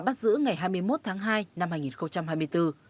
bắt giữ ngày hai mươi một tháng hai năm hai nghìn hai mươi bốn